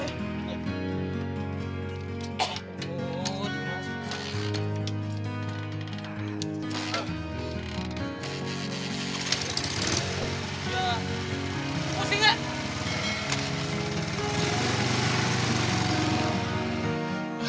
iya pasti gak